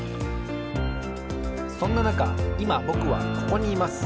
そんななかいまぼくはここにいます。